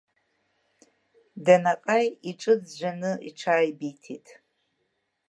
Данаҟаи иҿы ӡәӡәаны иҽааибиҭеит.